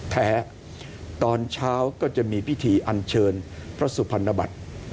ตอนเช้าก็จะมีพิธีอันเชิญพระสุพรรณบัติ